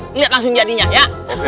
ngeliat langsung jadinya ya